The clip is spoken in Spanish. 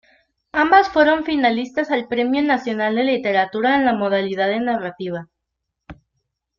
Ambas fueron finalistas al Premio Nacional de Literatura en la modalidad de Narrativa.